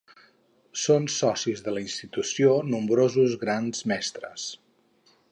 Són socis de la institució nombrosos Grans Mestres.